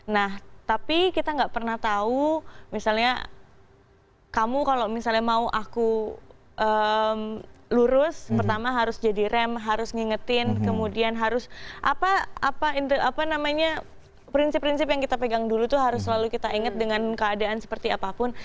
nah tapi kita gak pernah tahu misalnya kamu kalau misalnya mau aku lurus pertama harus jadi rem harus ngingetin kemudian harus apa namanya prinsip prinsip yang kita pegang dulu tuh harus selalu kita ingat dengan keadaan seperti apapun